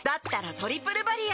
「トリプルバリア」